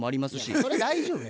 それ大丈夫や。